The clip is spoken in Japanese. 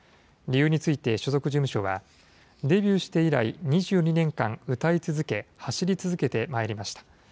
理由について、所属事務所は、デビューして以来、２２年間歌い続け、走り続けてまいりました。